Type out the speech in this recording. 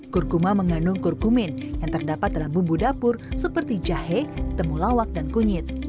kurkuma mengandung kurkumin yang terdapat dalam bumbu dapur seperti jahe temulawak dan kunyit